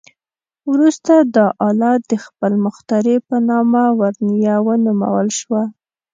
وروسته دا آله د خپل مخترع په نامه "ورنیه" ونومول شوه.